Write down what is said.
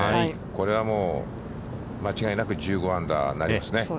これはもう間違いなく１５アンダーになりますね。